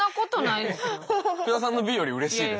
福田さんのＢよりうれしいです。